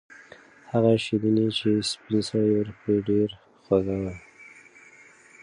هغه شیرني چې سپین سرې ورکړه ډېره خوږه وه.